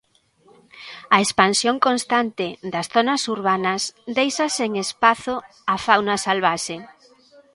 A expansión constante das zonas urbanas deixa sen espazo a fauna salvaxe.